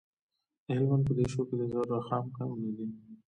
د هلمند په دیشو کې د رخام کانونه دي.